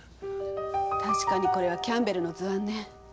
確かにこれはキャンベルの図案ね。